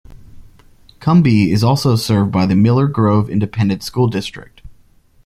Cumby is also served by the Miller Grove Independent School District.